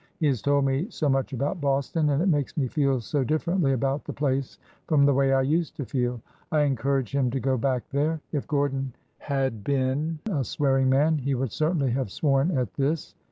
He has told me so much about Boston, and it makes me feel so differently about the place from the way I used to feel. I encourage him to go back there. [If Gordon had been a swearing man, he would certainly have sworn at this.